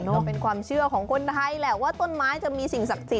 ก็เป็นความเชื่อของคนไทยแหละว่าต้นไม้จะมีสิ่งศักดิ์สิท